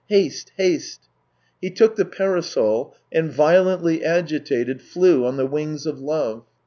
Haste, haste ! He took the parasol and, violently agitated, flew on the wings of love.